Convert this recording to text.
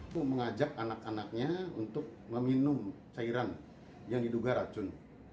aku mengajak anak anaknya untuk meminum cairan yang diduga racun